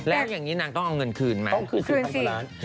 แล้วอย่างนี้นางต้องเอาเงินคืนมั้ย